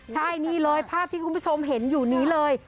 ใช่นี่เลยภาพที่คุณผู้ชมเห็นอยู่นี้เลย